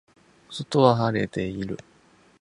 外は晴れている